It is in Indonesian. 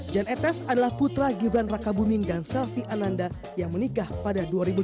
jan etes adalah putra gibran raka buming dan selvi ananda yang menikah pada dua ribu dua belas